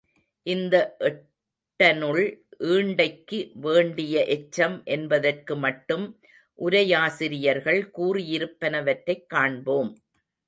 இந்த எட்டனுள் ஈண்டைக்கு வேண்டிய எச்சம் என்பதற்கு மட்டும் உரையாசிரியர்கள் கூறியிருப்பனவற்றைக் காண்போம்.